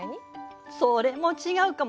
それも違うかも。